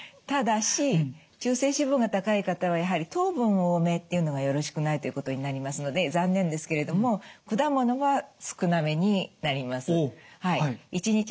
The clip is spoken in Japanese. ただし中性脂肪が高い方はやはり糖分多めっていうのがよろしくないということになりますので残念ですけれども果物は少なめになります。